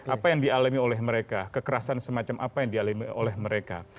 apa yang dialami oleh mereka kekerasan semacam apa yang dialami oleh mereka